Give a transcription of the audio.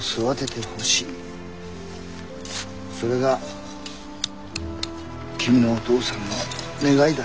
それが君のお父さんの願いだ。